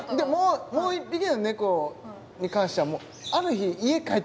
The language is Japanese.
もう一匹の猫に関してはええっ！？